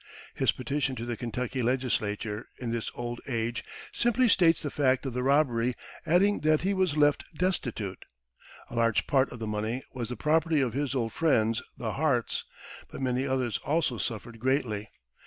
His petition to the Kentucky legislature, in his old age, simply states the fact of the robbery, adding that he "was left destitute." A large part of the money was the property of his old friends, the Harts, but many others also suffered greatly.